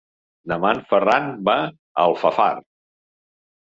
Demà en Ferran va a Alfafar.